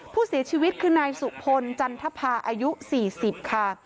ผู้เสียชีวิตคือนายสุพลจันทภาอายุ๔๐ค่ะ